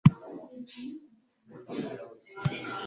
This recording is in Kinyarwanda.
urugero «nimujyende mwidegembye iyahigaga yahiye ijanja»